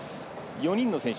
４人の選手。